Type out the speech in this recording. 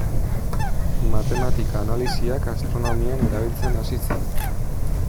Matematika-analisiak astronomian erabiltzen hasi zen.